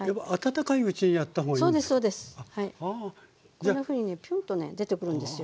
こんなふうにねピュンとね出てくるんですよ。